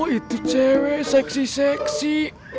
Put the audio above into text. itu cewek seksi seksi